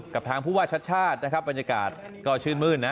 กับทางผู้ว่าชาติชาตินะครับบรรยากาศก็ชื่นมื้นนะ